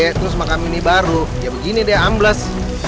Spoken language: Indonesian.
terus makam ini baru ya begini deh ambles